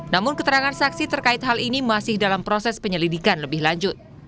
namun keterangan saksi terkait hal ini masih dalam proses penyelidikan lebih lanjut